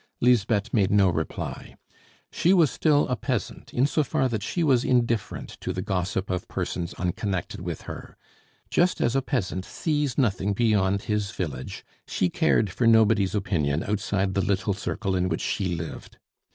Lisbeth made no reply. She was still a peasant, in so far that she was indifferent to the gossip of persons unconnected with her. Just as a peasant sees nothing beyond his village, she cared for nobody's opinion outside the little circle in which she lived.